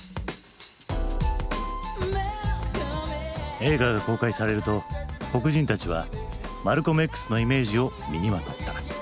映画が公開されると黒人たちはマルコムＸのイメージを身にまとった。